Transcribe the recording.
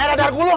eh dadar gulung